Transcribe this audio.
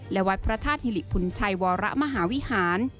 และวัดพระธาตุฮิริพุนชัยวรมหาวิหาร